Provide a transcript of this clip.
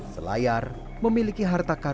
selayar memiliki harta kesejahteraan